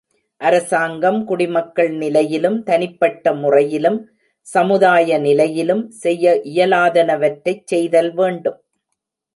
அரசாங்கம் குடிமக்கள் நிலையிலும், தனிப்பட்ட முறையிலும், சமுதாய நிலையிலும் செய்ய இயலாதனவற்றைச் செய்தல் வேண்டும்.